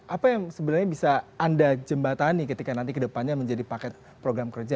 apa yang sebenarnya bisa anda jembatani ketika nanti kedepannya menjadi paket program kerja